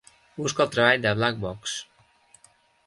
Busca el treball Black Box.